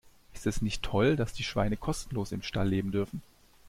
Ist es nicht toll, dass die Schweine kostenlos im Stall leben dürfen?